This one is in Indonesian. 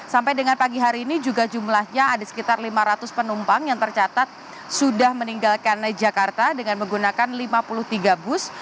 sampai dengan pagi hari ini juga jumlahnya ada sekitar lima ratus penumpang yang tercatat sudah meninggalkan jakarta dengan menggunakan lima puluh tiga bus